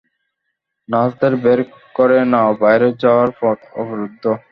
নার্সদের বের করে নাও বাইরে যাওয়ার পথ অবরুদ্ধ।